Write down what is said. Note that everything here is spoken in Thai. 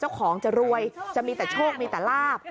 เจ้าของจะรวยจะมีแต่โชคมีแต่ลาบ